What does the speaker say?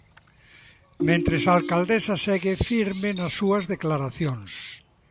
Mentres a alcaldesa segue firme nas súas declaracións.